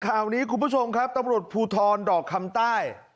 ข่าวนี้คุณผู้ชมครับตำรวจภูทรดอกคำใต้